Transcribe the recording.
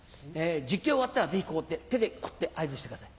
実況終わったらぜひ手でこうやって合図してください。